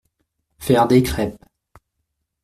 Faire des crêpes.